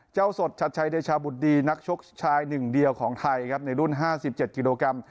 สดชัดชัยเดชาบุตรดีนักชกชายหนึ่งเดียวของไทยครับในรุ่น๕๗กิโลกรัม